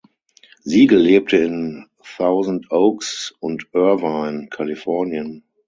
Siegel lebte in Thousand Oaks und Irvine, Kalifornien.